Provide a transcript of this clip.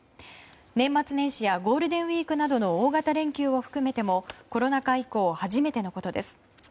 年末年始やゴールデンウィークなどの大型連休を含めてもコロナ禍以降初めてのことです。